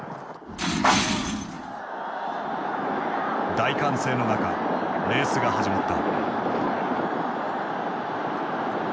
大歓声の中レースが始まった。